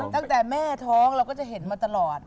ตั้งแต่แม่ท้องเราก็จะเห็นมาตลอด